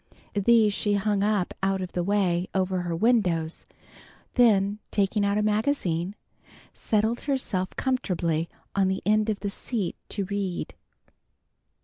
These she hung up out of the way over her windows, then taking out a magazine, settled herself comfortably in the end of the seat to read.